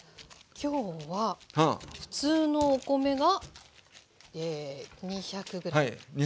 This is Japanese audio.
今日は普通のお米が２００ｇ。